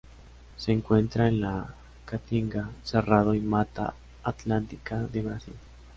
Se encuentra en la Caatinga, Cerrado y Mata Atlántica de Brasil.